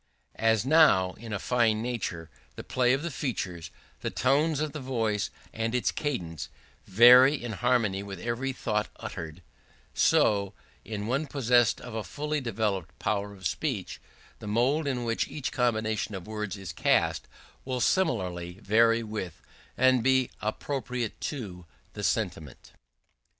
As now, in a fine nature, the play of the features, the tones of the voice and its cadences, vary in harmony with every thought uttered; so, in one possessed of a fully developed power of speech, the mould in which each combination of words is cast will similarly vary with, and be appropriate to the sentiment.